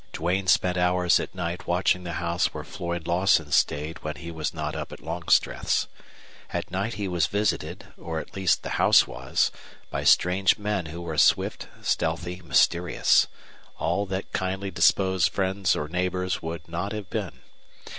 Duane spent hours at night watching the house where Floyd Lawson stayed when he was not up at Longstreth's. At night he was visited, or at least the house was, by strange men who were swift, stealthy, mysterious all that kindly disposed friends or neighbors would not have been.